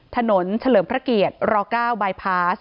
ถนนเฉลิมพระเกียรติรอเก้าบายพาส